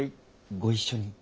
ご一緒に。